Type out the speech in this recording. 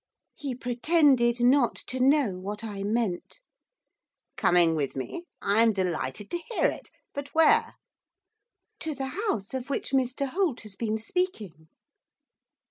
He pretended not to know what I meant. 'Coming with me? I am delighted to hear it, but where?' 'To the house of which Mr Holt has been speaking.